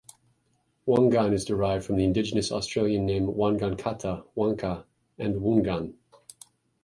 "Wongan" is derived from the Indigenous Australian name "wangan-katta", "wanka" and "woongan".